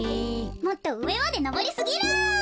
もっとうえまでのぼりすぎる。